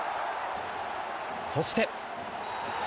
そして。